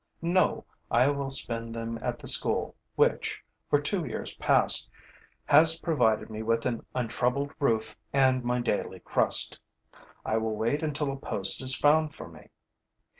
No, I will spend them at the school which, for two years past, has provided me with an untroubled roof and my daily crust. I will wait until a post is found for me.